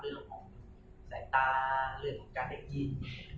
เรื่องของสายตาเรื่องของการได้ยิน